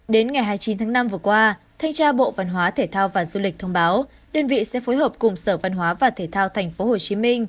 đến ngày hai mươi chín tháng năm vừa qua thanh tra bộ văn hóa thể thao và du lịch thông báo đơn vị sẽ phối hợp cùng sở văn hóa và thể thao tp hcm